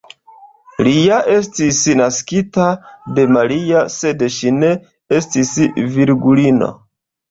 Li ja estis naskita de Maria, sed ŝi ne estis virgulino.